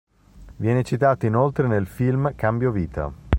Viene citato inoltre nel film "Cambio vita".